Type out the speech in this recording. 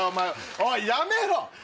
おいやめろ！